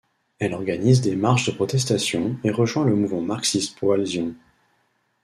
Elle organise des marches de protestation et rejoint le mouvement marxiste Poale Zion.